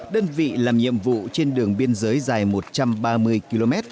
đơn vị làm nhiệm vụ trên đường biên giới dài một trăm ba mươi km